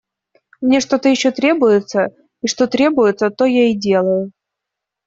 Мне что-то еще требуется, и что требуется, то я и делаю.